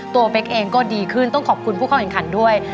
เป๊กเองก็ดีขึ้นต้องขอบคุณผู้เข้าแข่งขันด้วย